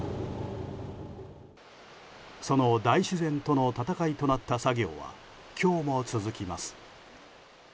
その大自然との戦いとなった作業は、今日も続きます。